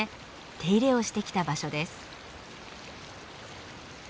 手入れをしてきた場所です。